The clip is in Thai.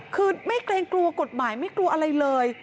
คือไม่เกรงกลัวกฎหมายไม่กลัวอะไรเลย